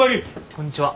こんにちは。